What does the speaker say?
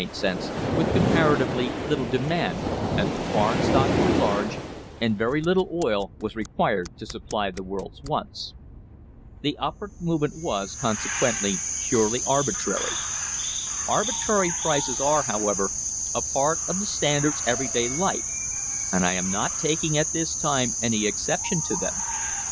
During September, the official quota tion went up from Q| cents to nj cents, with comparatively little demand, as the foreign stocks were large, and very little oil was required to supply the world's wants. The upward movement was, consequently, purely arbitrary. Arbitrary prices are, however, a part of the Standard's every day life, and I am not taking at this time any exception to them.